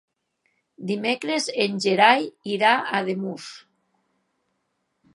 Dimecres en Gerai irà a Ademús.